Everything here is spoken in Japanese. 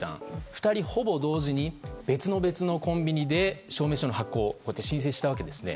２人ほぼ同時に別々のコンビニで証明書の発行を申請したわけですね。